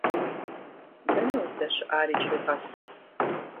Дэнэ уздэщыӏар иджыри къэс?